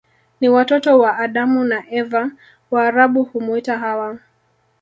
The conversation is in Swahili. Ni watoto wa Adamu na Eva Waarabu humuita Hawa